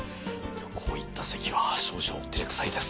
こういった席は少々照れくさいです。